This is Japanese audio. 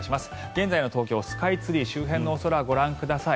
現在の東京スカイツリー周辺のお空ご覧ください。